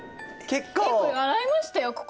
結構洗いましたよ心！